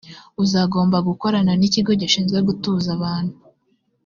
uzagomba gukorana n’ikigo gishinzwe kugutuza abantu